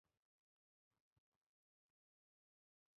bagi jiwa yang lapar, segala yang pahit terasa manis.